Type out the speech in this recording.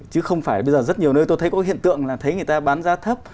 chứ không phải bây giờ rất nhiều nơi tôi thấy có hiện tượng là thấy người ta bán giá thấp